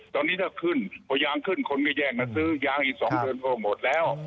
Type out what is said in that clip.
ตอนนี้ถ้าขึ้นพอยางขึ้นคนก็แย่งมาซื้อยางอีก๒เดือนก็หมดแล้ว